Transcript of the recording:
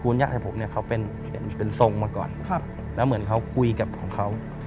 แล้วเหมือนเขาคุยกับของเขา